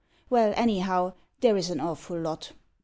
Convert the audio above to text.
" Well, anyhow, there is an awful lot.)